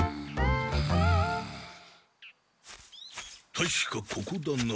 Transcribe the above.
たしかここだな。